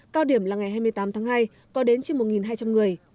cao điểm là ngày hai mươi tám tháng hai có đến trên một hai trăm linh người